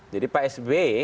jadi pak sbi